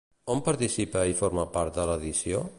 On participa i forma part de l'edició?